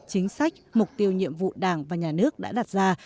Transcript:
chính sách mục tiêu nhiệm vụ đảng và nhà nước đã đặt ra